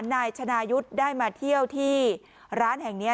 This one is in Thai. นายชนายุทธ์ได้มาเที่ยวที่ร้านแห่งนี้